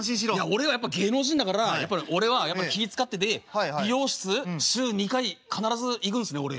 俺はやっぱ芸能人だから俺は気ぃ遣ってて美容室週２回必ず行くんですね俺。